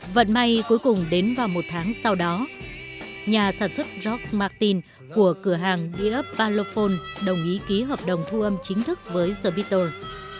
vận may cuối cùng đến vào một tháng sau đó nhà sản xuất george martin của cửa hàng d f palofone đồng ý ký hợp đồng thu âm chính thức với the beatles